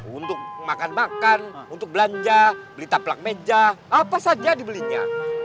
untuk makan makan untuk belanja beli taplak meja apa saja dibelinya